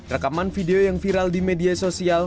rekaman video yang viral di media sosial